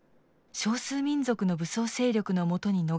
少数民族の武装勢力のもとに逃れ